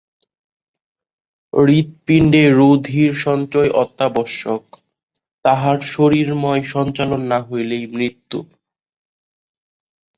হৃৎপিণ্ডে রুধিরসঞ্চয় অত্যাবশ্যক, তাহার শরীরময় সঞ্চালন না হইলেই মৃত্যু।